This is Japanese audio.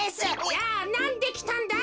じゃあなんできたんだ？